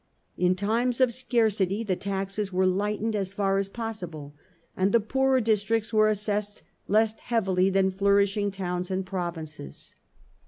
In times of scarcity the taxes were lightened as far as possible, and the poorer districts were assessed less heavily than flourishing towns and provinces.